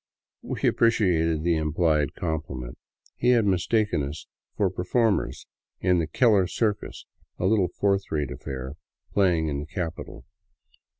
" We appreciated the implied compliment. He had mistaken us for performers in the '' Keller Circus," a little fourth rate affair playing in the capital.